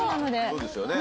そうですよね。